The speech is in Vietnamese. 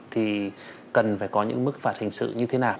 thì cần phải có những mức phạt hình sự như thế nào